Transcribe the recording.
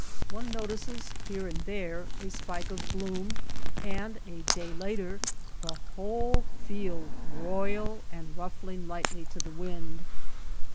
One notices here and there a' spike of bloom, and a day later the whole field royal and ruffling lightly to the wind.